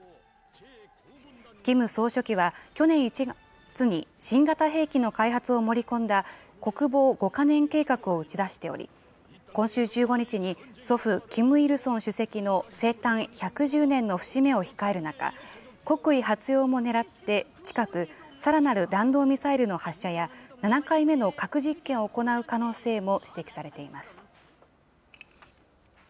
キム総書記は、去年１月に新型兵器の開発を盛り込んだ国防５か年計画を打ち出しており、今週１５日に祖父、キム・イルソン主席の生誕１１０年の節目を控える中、国威発揚もねらって、近く、さらなる弾道ミサイルの発射や、７回目の核実験を行う可能性も指摘されています。